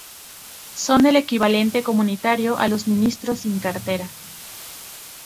Son el equivalente comunitario a los ministros sin cartera.